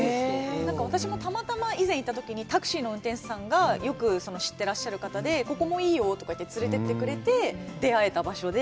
私もたまたま以前行ったときにタクシーの運転手さんがよく知っていらっしゃる方でここもいいよとか言って連れていってくれて、出会えた場所で。